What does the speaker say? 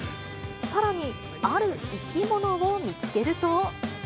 さらに、ある生き物を見つけると。